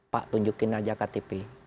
pak tunjukin aja ktp